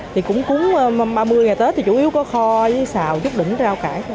thì cũng ba mươi ngày tết thì chủ yếu có kho với xào giúp đỉnh rau cải